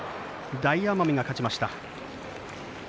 大奄美が勝ちました。